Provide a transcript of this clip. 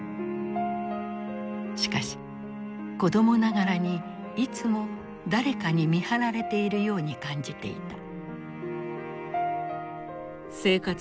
しかし子供ながらにいつも誰かに見張られているように感じていた。